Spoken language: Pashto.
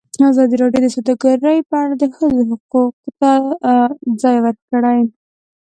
ازادي راډیو د سوداګري په اړه د ښځو غږ ته ځای ورکړی.